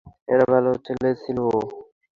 ওরা ভালো ছেলে ছিল।